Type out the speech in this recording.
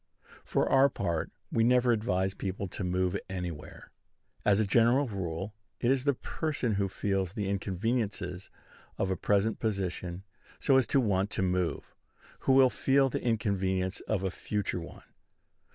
For our part, we never advise people to move anywhere. As a general rule, it is the person who feels the inconveniences of a present position, so as to want to move, who will feel the inconvenience of a future one.